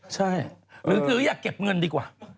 ใช่หรือถืออยากเก็บเงินดีกว่า